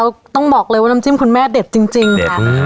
แล้วต้องบอกเลยว่าน้ำจิ้มคุณแม่เด็ดจริงจริงค่ะเด็ดค่ะอ่า